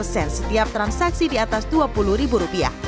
setiap transaksi di atas dua puluh rupiah